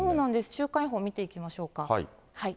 週間予報見ていきましょうか。